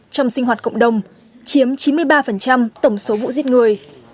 trong sinh hoạt cộng đồng chiếm chín mươi ba tổng số vụ giết người